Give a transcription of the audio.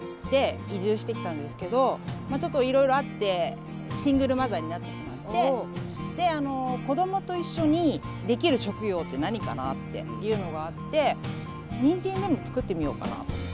移住してきたんですけどちょっといろいろあってシングルマザーになってしまって子どもと一緒にできる職業って何かなっていうのがあってにんじんでも作ってみようかなと。